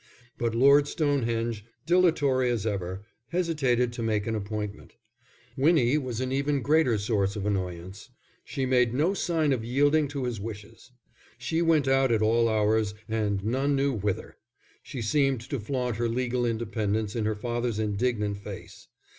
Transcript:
But Lord Stonehenge, dilatory as ever, hesitated to make an appointment. Winnie was an even greater source of annoyance. She made no sign of yielding to his wishes. She went out at all hours and none knew whither. She seemed to flaunt her legal independence in her father's indignant face.